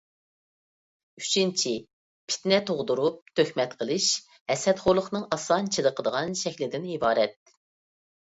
ئۈچىنچى، پىتنە تۇغدۇرۇپ، تۆھمەت قىلىش ھەسەتخورلۇقنىڭ ئاسان چېلىقىدىغان شەكلىدىن ئىبارەت.